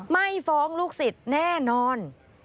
ไม่ฟ้องลูกศิษย์แน่นอน